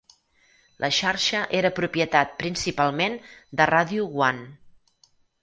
La xarxa era propietat principalment de Radio One.